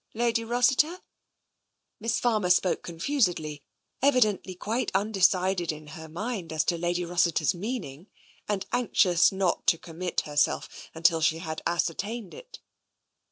Lady Rossiter ?" Miss Farmer spoke confusedly, evidently quite unde cided in her mind as to Lady Rossiter's meaning, and anxious not to commit herself until she had ascer tained it.